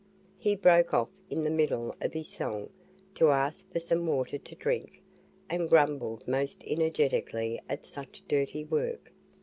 He broke off in the middle of his song to ask for some water to drink, and grumbled most energetically at such dirty work.